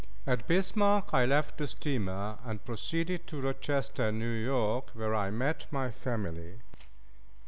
At Bismarck I left the steamer and proceeded to Rochester, New York, where I met my family.